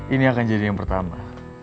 ini akan jadi yang pertama